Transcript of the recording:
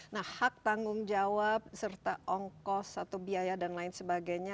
nah hak tanggung jawab serta ongkos atau biaya dan lain sebagainya